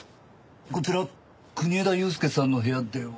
こちら国枝祐介さんの部屋では？